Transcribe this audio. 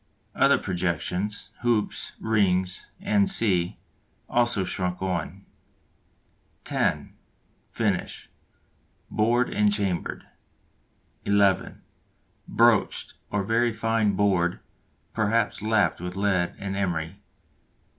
Other projections, hoops, rings, &c., also shrunk on. (10) Finish bored and chambered. (11) Broached, or very fine bored, perhaps lapped with lead and emery.